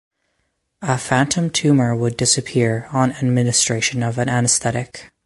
A phantom tumor would disappear on administration of an anaesthetic.